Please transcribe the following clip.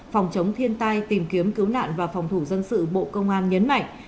phòng chống thiên tai tìm kiếm cứu nạn và phòng thủ dân sự bộ công an nhấn mạnh